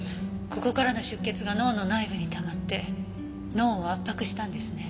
ここからの出血が脳の内部にたまって脳を圧迫したんですね。